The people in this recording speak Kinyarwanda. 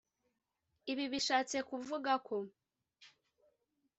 ibi bishatse kuvuga ko